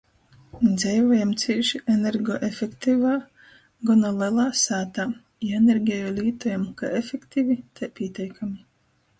Dzeivojam cīši energoefektivā, gona lelā sātā i energeju lītojam kai efektivi, tai pīteikami.